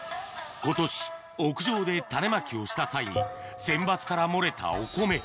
今年屋上で種まきをした際に選抜から漏れたお米